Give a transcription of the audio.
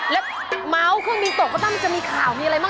แล้วเมาส์เครื่องบินตกก็ต้องจะมีข่าวมีอะไรบ้าง